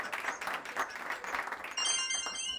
له تیرو پیښو عبرت واخلئ.